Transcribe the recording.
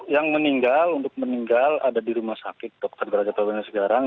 yang meninggal untuk meninggal ada di rumah sakit dr drajat tawangilis garang